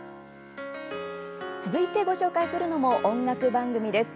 続いてご紹介するのも音楽番組です。